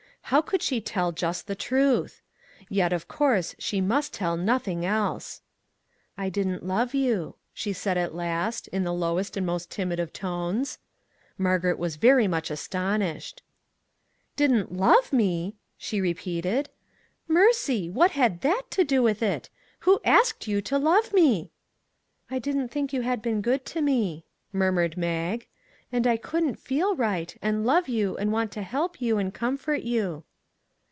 How could she tell just the truth? Yet, of course, she must tell nothing else. " I didn't love you," she said at last, in the lowest and most timid of tones. Margaret was very much astonished. " Didn't love me !" she repeated. " Mercy ! What had that to do with it? Who asked you to love me ?"" I didn't think you had been good to me," murmured Mag, " and I couldn't feel right and love you, and want to help you, and comfort you."